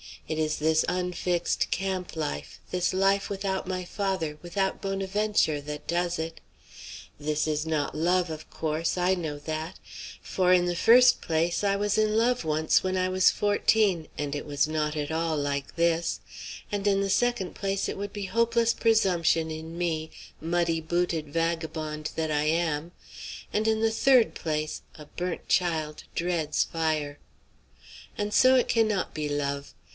It is this unfixed camp life, this life without my father, without Bonaventure, that does it. This is not love, of course; I know that: for, in the first place, I was in love once, when I was fourteen, and it was not at all like this; and in the second place, it would be hopeless presumption in me, muddy booted vagabond that I am; and in the third place, a burnt child dreads fire. And so it cannot be love.